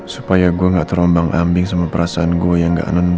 supaya gue gak terombang ambing sama perasaan gue yang gak anon untuk gini